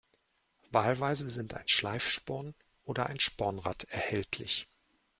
Wahlweise sind ein Schleifsporn oder ein Spornrad erhältlich.